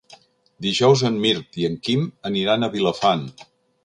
Dijous en Mirt i en Quim aniran a Vilafant.